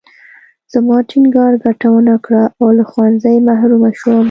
زما ټینګار ګټه ونه کړه او له ښوونځي محرومه شوم